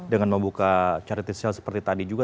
dengan membuka charity sale seperti tadi juga